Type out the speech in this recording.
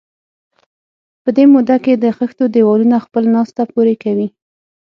په دې موده کې د خښتو دېوالونه خپله ناسته پوره کوي.